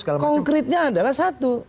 iya konkretnya adalah satu